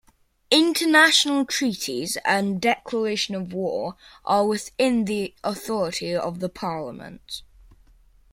International treaties and declaration of war are within the authority of the parliament.